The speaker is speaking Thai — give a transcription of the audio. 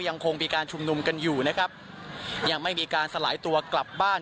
ยังคงมีการชุมนุมกันอยู่นะครับยังไม่มีการสลายตัวกลับบ้าน